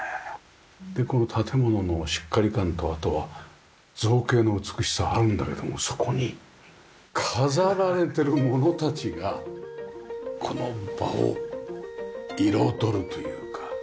でこの建物のしっかり感とあとは造形の美しさあるんだけどもそこに飾られてる物たちがこの場を彩るというか。